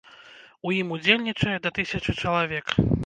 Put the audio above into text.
У ім удзельнічае да тысячы чалавек.